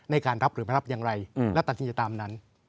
ในการรับหรือไม่รับอย่างไรและตัดสินใจตามนั้น